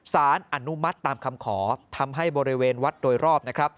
สารอนุมัติตามคำขอทำให้บริเวณวัดโดยรอบนะครับ